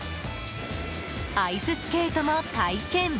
アイススケートも体験。